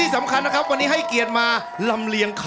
ออกออกออกออกออกออกออกออกออกออกออก